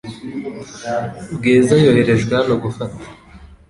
Bwiza yoherejwe hano gufata .